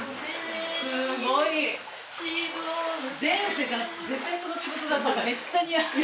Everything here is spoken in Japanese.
前世が絶対その仕事だっためっちゃ似合うよ。